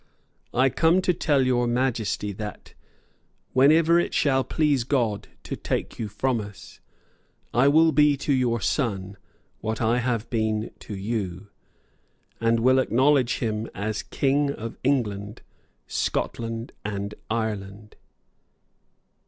I come to tell Your Majesty that, whenever it shall please God to take you from us, I will be to your son what I have been to you, and will acknowledge him as King of England, Scotland and Ireland."